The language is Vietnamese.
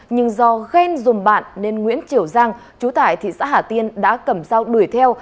nhưng do ghen dùng bạn nên nguyễn triều giang chú tại thị xã hà tiên đã cầm dao đuổi theo